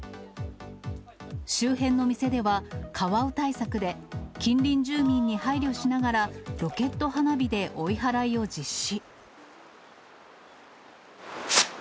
周辺の店では、カワウ対策で、近隣住民に配慮しながら、ロケット花火で追い払いを実施。